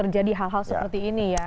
jadi hal hal seperti ini ya